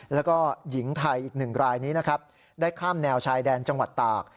แล้วก็หญิงไทยอีกหนึ่งรายนี้นะครับได้ข้ามแนวชายแดนจังหวัดตาก